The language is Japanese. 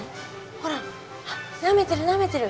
ほらあっなめてるなめてる。